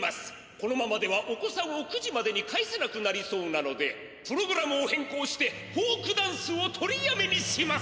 このままではお子さんを９時までに帰せなくなりそうなのでプログラムをへんこうしてフォークダンスを取りやめにします！